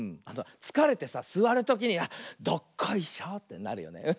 つかれてさすわるときにどっこいしょってなるよね。